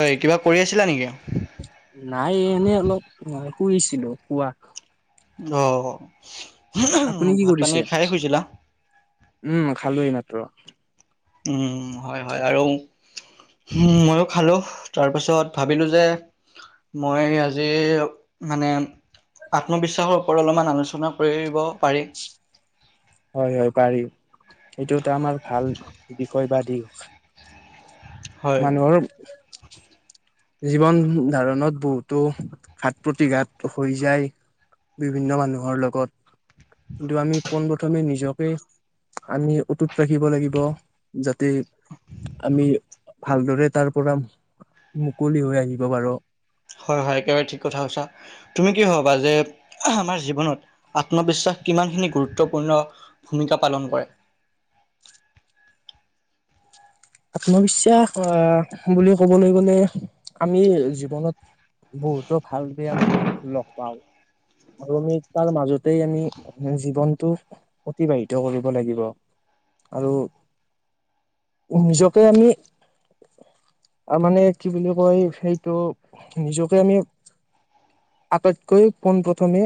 হয় কিবা কৰি আছিলা নেকি। নাই এ এনেই অলপ শুইছিলো শুৱা অ', অ'। আপুনি কি কৰিছে? উম, খালো এইমাত্ৰ। উম, হয়-হয় আৰু উম, ময়ো খালো তাৰ পিছত ভাবিলো যে মই আজি মানে আত্মবিশ্বাসৰ ওপৰ অলপমান আলোচনা কৰিব পাৰি হয়-হয়, পাৰি। এইটো এটা আমাৰ ভাল বিষয় বা দিশ। হয়। মানুহৰ জীৱন ধাৰণত বহুতো ঘাত প্ৰতিঘাত হৈ যায়। বিভিন্ন মানুহৰ লগত, কিন্তু আমি পোন প্ৰথমে নিজকে আমি অটুট ৰাখিব লাগিব, যাতে আমি ভালদৰে তাৰ পৰা মুকলি হৈ আহিব পাৰো। হয়-হয়, একেবাৰে ঠিক কথা কৈছা। তুমি কি ভাবা যে, আমাৰ জীৱনত আত্মবিশ্বাস কিমানখিনি গুৰুত্বপূৰ্ণ ভূমিকা পালন কৰে। আত্মবিশ্বাস আহ বুলি ক'বলৈ গ'লে আমি জীৱনত বহুতো ভাল দয়া মানুহ লগ পাও। আৰু আমি তাৰ মাজতে আমি জীৱনটো অতিবাহিত কৰিব লাগিব। আৰু [inaudible] নিজকে আমি আৰু মানে কি বুলি কয় সেইটো নিজকে আমি আটাইতকৈ পোন প্ৰথমে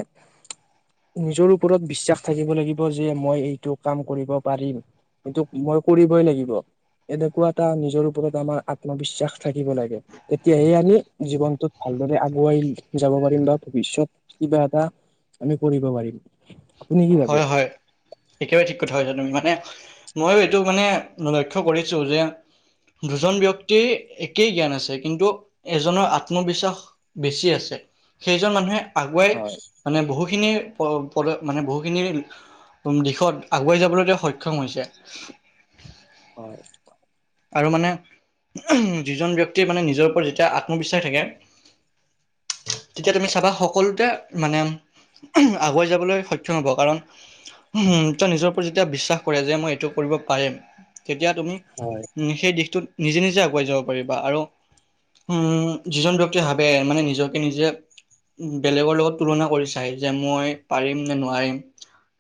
নিজৰ ওপৰত বিশ্বাস থাকিব লাগিব যে মই এইটো কাম কৰিব পাৰিম। কিন্তু মই কৰিবই লাগিব। এনেকুৱা এটা নিজৰ ওপৰত আমাৰ আত্মবিশ্বাস থাকিব লাগে তেতিয়াহে আমি জীৱনটোত ভাল ভালদৰে আগুৱাই যাব পাৰিম বা ভৱিষ্যত কিবা এটা আমি কৰিব পাৰিম। আপুনি কি ভাবে হয়, হয় একেবাৰে ঠিক কথা কৈছা তুমি মানে ময়ো এইটো মানে লক্ষ্য কৰিছো যে দুজন ব্যক্তিৰ একেই জ্ঞান আছে কিন্তু এজনৰ আত্মবিশ্বাস বেছি আছে। সেইজন মানুহে আগুৱাই হয় মানে বহুখিনি পদ মানে বহু দিশত আগুৱাই যাবলৈ সক্ষম হৈছে। হয় আৰু মানে যিজন ব্যক্তি মানে নিজৰ ওপৰত যেতিয়া আত্মবিশ্বাস থাকে তেতিয়া তুমি চাবা সকলোতে মানে আগুৱাই যাবলৈ সক্ষম হ'ব। কাৰণ উ তেওঁ নিজৰ ওপৰত যেতিয়া বিশ্বাস কৰে যে মই এইটো কৰিব পাৰেিম তেতিয়া তুমি হয় সেই দিশটোত নিজে নিজে আগুৱাই যাব পাৰিবা আৰু উম যিজন ব্যক্তি ভাবে মানে নিজকে নিজে বেলেগৰ লগত তুলনা কৰি চাই যে মই পাৰিম নে নোৱাৰিম।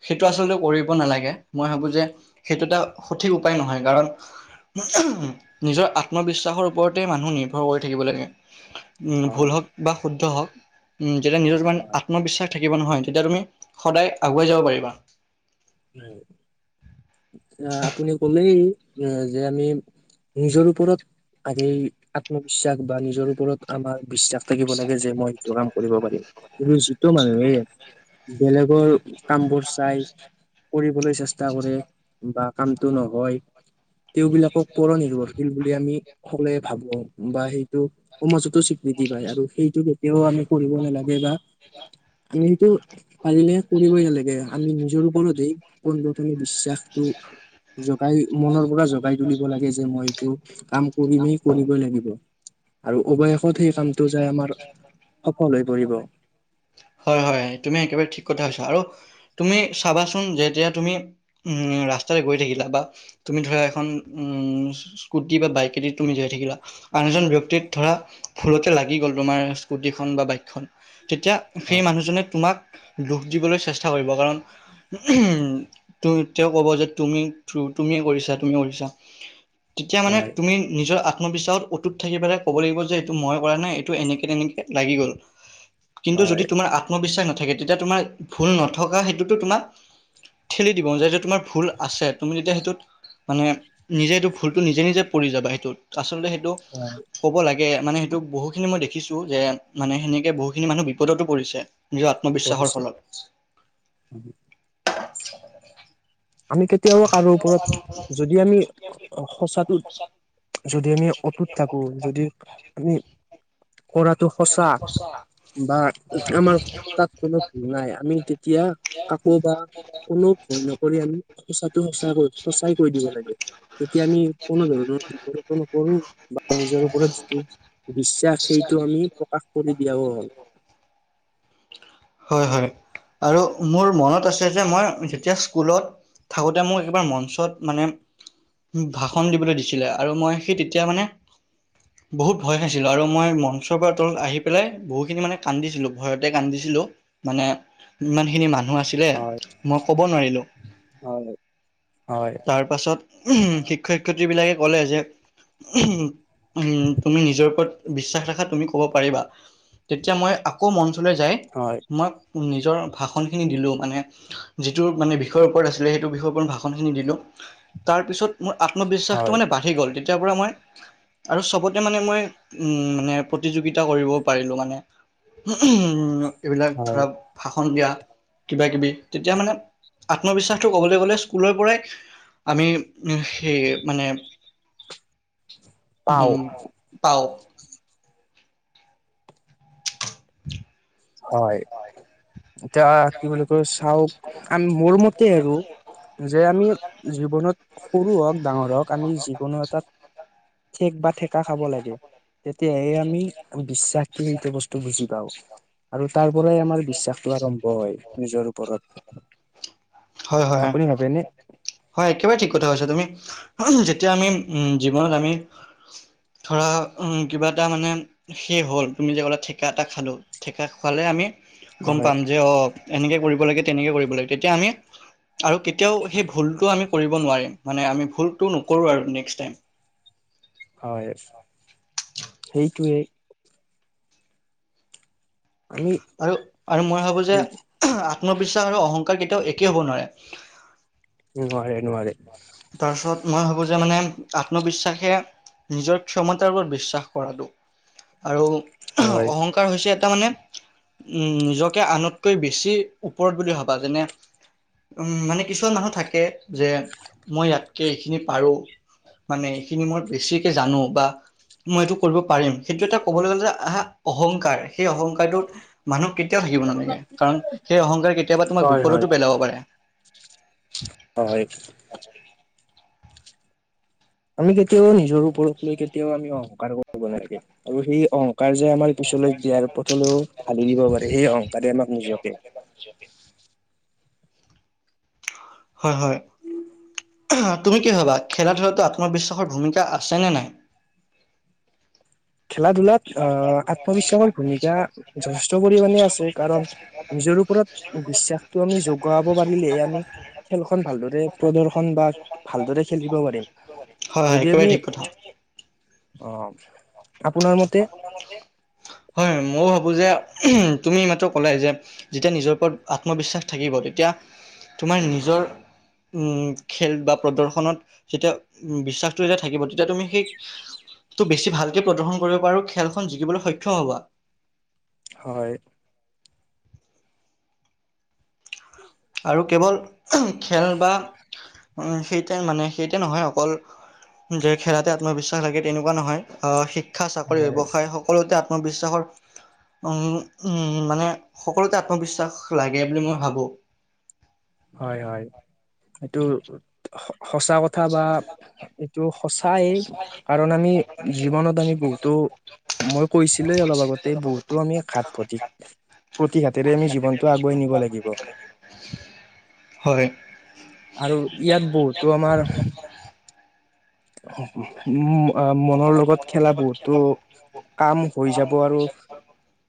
সেইটো আচলতে কৰিব নালাগে মই ভাবো যে সেইটো এটা সঠিক উপায় নহয় কাৰণ নিজৰ আত্মবিশ্বাসৰ ওপৰতে মানুহ নিৰ্ভৰ কৰি থাকিব লাগে। উ ভুল হওক বা শুদ্ধ হওক। উম। যেতিয়া নিজৰ হয় তানে আত্মবিশ্বাস থাকিব নহয়। তেতিয়া তুমি সদায় আগুৱাই যাব পাৰিবা। আপুনি কলেই, যে আমি নিজৰ ওপৰত আগেই আত্মবিশ্বাস বা নিজৰ ওপৰত আমাৰ বিশ্বাস থাকিব লাগে যে মই সেইটো কাম কৰিব পাৰি। কিন্তু যিটো মানুহে বেলেগৰ কামবোৰ চাই কৰিবলৈ চেষ্টা কৰে বা কামতটো নহয়, তেওঁবলাকক পৰ নিৰ্ভৰশীল বুলি আমি সকলোৱে ভাবো বা সেইটো সমযু স্বীকৃতি পায় আৰু সেইটো কেতিয়াও আমি কৰিব নালাগে বা আমিটো পাৰিলে কৰিবই নালাগে আমি নিজৰ ওপৰত পোনপ্ৰথমে বিশ্বাসটো জগাই মনৰ পৰা জগাই তুলিব লাগে যে মই এইটো কাম কৰিমি কৰিবই লাগিব। আৰু অৱশেষত সেই কামটো যায় আমাৰ সফল হৈ পৰিব। হয় হয় তুমি একেবাৰে ঠিক কথা কৈছা আৰু তুমি চাবাচোন, যেতিয়া তুমি উ ৰাস্তাতে গৈ থাকিলা বা তুমি ধৰা এখন উম, স্কুটি বা বাইক এদি তুমি জীয়াই থাকিলা, আন এজন ব্যক্তিত ধৰা ফুলতে লাগি গ'ল তোমাৰ স্কুটিখন বা বাইকখন তেতিয়া সেই হয় মানুহজনে তোমাক দুখ দিবলৈ চেষ্টা কৰিব। কাৰণ তেওঁ ক'ব যে তুমি তুমি কৰিছা, তুমি কৰিছা, তেতিয়া মানে হয় তুমি নিজৰ আ্ম আত্মবিশ্বাসত অটুত থাকি পেলাই ক'ব লাগিব, যে এইটো মই কৰা নাই এইটো এনেকে তেনেকে লাগি গ'ল। কিন্তু যদি হয় তোমাৰ আত্মবিশ্বাস নাথাকে। তেতিয়া তোমাৰ ভুল নথকা সেইটোতো তোমাৰ ঠেলি দিব যে যেতিয়া তোমাৰ ভুল আছে। তুমি যেতিয়া সেইটোত মানে নিজে এইটো ভুলতটো নিজে নিজে পৰি যাবা। সেইটোত আচলতে সেইটো ক'ব লাগে। মানে সেইটোক বহু খিনি মই দেখিছো, যে মানে সেনেকে বহু খিনি মানুহ বিপদতো পৰিছে। নিজৰ আত্মবিশ্বাসৰ কৰিছে ফলত আমি কেতিয়াও কাৰো ওপৰত যদি আমি সচাটো যদি আমি অটুত থাকো। যদি আমি কৰাতটো সঁচা বা আমাৰ তাত কোনো ভুল নাই। আমি তেতিয়া কাকো বা কোনো ব ধন [unintelligible] কৰি আমি সচাটো সচ সঁচাই কৈ দিব লাগে। তেতিয়া আমি কোনো ধৰণৰ বিপদত ন বা নিজৰ ওপৰত যিটো বিশ্বাস সেইটো আমি প্ৰকাশ কৰি দিয়াও হ'ল। হয় হয় আৰু মোৰ মনত আছে যে মই যেতিয়া স্কুলত থাকোঁতে মোৰ একবাৰ মঞ্চত মানে ভাষণ দিবলৈ দিছিলে আৰু মই সেই তেতিয়া মানে বহুত ভয় খাইছিলো আৰু মই ম মঞ্চৰ পৰা তলত আহি পেলাই, বহুত খিনি মানে কান্দিছিলো ভয়তে কান্দিছিলো। মানে ইমান খিনি মানুহ মানুহ আছিলে। হয় মই ক'ব নোৱাৰিলোঁ। হয় হয় তাৰপাছত শিক্ষক শিক্ষয়ত্ৰী বিলাকে ক'লে যে উ উ তুমি নিজৰ ওপৰত বিশ্বাস ৰখাত তুমি ক'ব পাৰিবা তেতিয়া মই আকৌ মণ্ঞ্চলৈ যায় হয় মই নিজৰ ভাষণখিনি দিলোঁ মানে যিটো মানে বিষয়ৰ ওপৰত আছিলে সেইটো বিষয়ৰ ওপৰত ভাষণখিনি দিলোঁ। তাৰপিছত মোৰ আত্মবিশ্বাসটো হয় মানে বাঢ়ি গ'ল তেতিয়াৰ পৰা মই আৰু চবতে মানে মই মানে প্ৰতিযোগিতা কৰিব পাৰিলো মানে উ এইবিলাক হয় ধৰা ভাষণ দিয়া কিবা কিবি তেতিয়া মানে আত্মবিশ্বাসটো ক'বলৈ গ'লে স্কুলৰ পৰাই আমি সেই মানে পাও উম। তাও [unintelligible] হয়। এতিয়া কি বুলি কো চাওক আ মোৰ মত তে আৰু যে আমি জীৱনত সৰু হওক ডাঙৰ হওঁক আমি যিকোনো এটাত ঠেক বা ঠেকা খাব লাগে। তেতিয়াহে আমি বিশ্বাস কি এইটো বস্তু বুজি পাওঁ। আৰু তাৰ পৰাই আমাৰ বিশ্বাসটো আৰম্ভ হয় নিজৰ ওপৰত। হয়, হয়। আপুনি ভাবেনে হয় একেবাৰে ঠিক কথা কৈছা তুমি যেতিয়া আমি উম জীৱনত আমি ধৰা কিবা এটা মানে সে হ'ল তুমি যে ক'লে ঠেককা এটা খালোঁ ঠেকা খোৱালে আমি গম হয় পাম যে অ', এনেকে কৰিব লাগে তেনেকে কৰিব লাগে তেতিয়া আমি আৰু কেতিয়াও সেই ভুলটো আমি কৰিব নোৱাৰিম মানে আমি ভুলতটো নকৰো আৰু নেক্স টাইম। হয় সেইটোৱে। আমি আৰু আৰু মই ভাবো যে আত্মবিশ্বাস আৰু অহং কেতিয়াও একে হ'ব নোৱাৰে। নোৱাৰে নোৱাৰে। তাৰপিছত মই ভাবো যে মানে আত্মবিশ্বাসে নিজৰ ক্ষমতাৰ ওপৰত বিশ্বাস কৰাটো আৰু হয় অহংকাৰ হৈছে তাৰ মানে উম নিজকে আনতকৈ বেছি ওপৰত বুলি ভাবা যেনে উম, মানে কিছুমান মানুহ থাকে যে মই ইয়াতকে এইখিনি পাৰো মানে এইখিনি মই বেছিকে জানো বা মই এইটো কৰিব পাৰিম সেইটো এটা ক'বলৈ গ'লে যে আহা অহংকাৰ সেই অহংকাৰটোত মানুহ কেতিয়াও থাকিব নালাগে কাৰণ সেই অহংকাৰ কেতিয়াবা তোমাক হয় বিপদতো পেলাব পাৰে। হয়, হয়। ত [unintelligible] আমি কেতিয়াও নিজৰ ওপৰত লৈ কেতিয়াও আমি অহংকাৰ কৰিব নালাগে আৰু সেই অ' কাৰ যে আমাৰ পিছলৈ দিয়াৰ পথলৈও ঢালি দিব পাৰে সেই অংহকাৰে আমাক নিজকে [inaudible] হয়, হয়। তুমি কি ভাবা খেলা ধূলাটো আত্মবিশ্বাসৰ ভূমিকা আছেনে নাই। [inaudible] খেলা ধূলাত আহ আত্মবিশ্বাসৰ ভূমিকা যথেষ্ট পৰিমানে আছে কাৰণ নিজৰ ওপৰত বিশ্বাসতটো আমি যগাব পাৰিলেহে আমি খেলখন ভালদৰে প্ৰদৰ্শন বা ভালদৰে খেলিব পাৰিম হয় হয় যদি একেবাৰে আমি ঠিক কথা অ'। হয় মই ভাবো ভাবো যে তুমি এই মাত্ৰ ক'লে যেতিয়া নিজৰ ওপৰত আত্মবিশ্বাস থাকিব তেতিয়া তোমাৰ নিজৰ উম খেল বা প্ৰদৰ্শনত যেতিয়া উম বিশ্বাসটো যেতিয়া থাকিব তে এতি তুমি সেই তটো বেছি ভালকে প্ৰদৰ্শন কৰিব পাৰোঁ খেলখন জিকিবলৈ সক্ষম হ'বা হয়। আৰু কেৱল খেল বা সেইতে মানে সেইতে নহয় অকল যে খেলাতে আত্মবিশ্বাস লাগে তেনেকুৱা নহয় আ, শিক্ষা, চাকৰি, হয় ব্যৱসায় সকলোতে মই বিশ্বাসৰ, উম, উম, মানে সকলোতে আত্মবিশ্বাস লাগে বুলি মই ভাবোঁ। হয়, হয়, এইটো সঁচা কথা বা এইটো সঁচাই কাৰণ আমি জীৱনত আমি বহুতো মই কৈছিলোই অলপ আগতে বহুতো আমি এঘাত প্ৰতি পতি ন [unintelligible] আৰু ইয়াত বহুতো আমাৰ অ [unintelligible] ম [unintelligible] অ', মনৰ লগত খেলা বহুতো কাম হৈ যাব আৰু।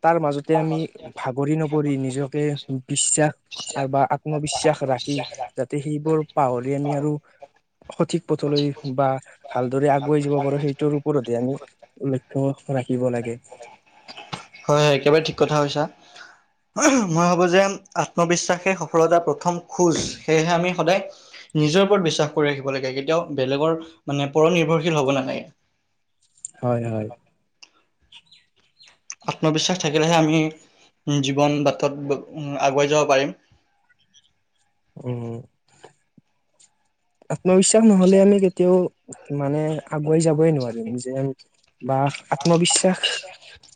তাৰ মাজতে আমি ভাগৰি নপৰি নিজকে বিশ্বাস আৰু বা আত্মবিশ্বাস ৰাখি যাতে সেইবোৰ পাহৰি আমি আৰু সঠিক পথলৈ বা ভালদৰে আগুৱাই যাব পাৰো, সেইটোৰ ওপৰতে আমি লক্ষ্য ৰাখিব লাগে। হয়, হয়, একেবাৰে ঠিক কথা কৈছা। মই ভাবো যে আত্মবিশ্বাসে সফলতাৰ প্ৰথম খোজ সেয়েহে আমি সদায় নিজৰ ওপৰত বিশ্বাস কৰি ৰাখিব লাগে কেতিয়াও বেলেগৰ মানে পৰ নিৰ্ভৰশীল হ'ব নালাগে। হয়, হয়, আত্মবিশ্বাস থাকিলেহে আমি উম, জীৱন বাটত উম, আগুৱাই যাব পাৰিম। উম, আত্মবিশ্বাস নহলে আমি কেতিয়াও মানে আগুৱাই যাবই নোৱাৰিম যেন, বা আত্মবিশ্বাস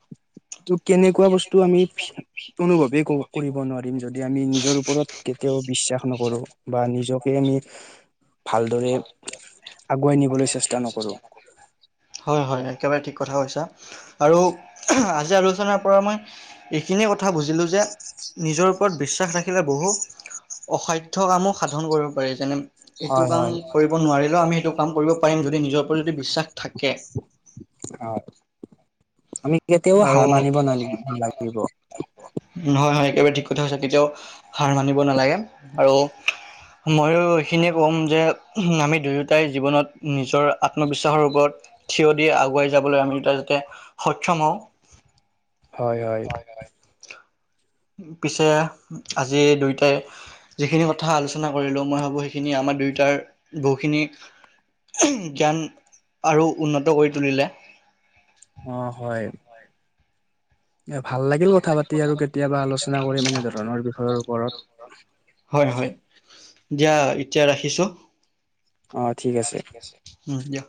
[inaudible] ত' কেনেকুৱা বস্তু আমি অনুভৱেই কৰিব নোৱাৰিম যদি আমি নিজৰ ওপৰত কেতিয়াও বিশ্বাস নকৰোঁ বা নিজকে আমি ভালদৰে আগুৱাই নিবলৈ চেষ্টা নকৰোঁ। হয়, হয়, একেবাৰে ঠিক কথা কৈছা আৰু আজি আলোচনাৰ পৰা মই এইখিনিয়ে কথা কথা বুজিলোঁ যে নিজৰ ওপৰত বিশ্বাস ৰাখিলে বহু অসাধ্যয় কামো সাধন কৰিব পাৰি যেনে এইটো হয় কাম হয়। কৰিব নোৱাৰিলেও আমি সেইটো কাম কৰিব পাৰিম যদি নিজৰ ওপৰত বিশ্বাস থাকে। হয় আমি কেতিয়াও আৰু হাৰ মানিব না নালাগিব। হয় হয় একেবাৰে ঠিক কথা কৈছা কেতিয়াও হাৰ মানিব নালাগে আৰু ময়ো এইখিনিয়ে ক'ম যে আমি দুয়োটাই জীৱনত নিজৰ আত্মবিশ্বাসৰ ওপৰত থিয় দি আগুৱাই যাবলৈ আমি দুটা যাতে সক্ষম হওঁ। হয়, হয়, পিছে আজি দুয়টাই যিখিনি কথা আলোচনা কৰিলোঁ মই ভাবো সেইখিনি আমাৰ দুয়টাৰ বহুখিনি জ্ঞান আৰু উন্নত কৰি তুলিলে। অ এ ভাল লাগিল কথা পাতি আৰু কেতিয়াবা আলোচনা কৰিম এনেধৰণৰ বিষয়ৰ ওপৰত। হয়, হয়, দিয়া এতিয়া ৰাখিছো। অ', ঠিক আছে। উম, দিয়।